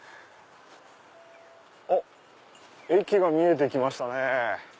あっ駅が見えてきましたね。